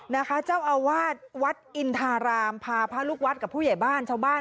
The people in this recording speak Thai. นะคะเจ้าอาวาสวัดอินทารามพาพระลูกวัดกับผู้ใหญ่บ้านชาวบ้าน